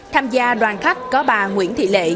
tham gia đoàn khách có bà nguyễn thị lệ